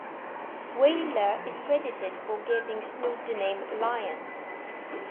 Wailer is credited for giving Snoop the name "Lion".